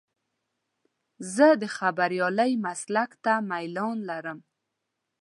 زه د خبریالۍ مسلک ته میلان لرم.